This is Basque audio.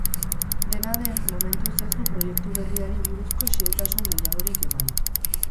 Dena den, momentuz ez du proiektu berriari buruzko xehetasun gehiagorik eman.